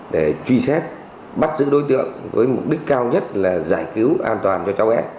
để truy xét bắt giữ đối tượng với mục đích cao nhất là giải cứu an toàn cho cháu bé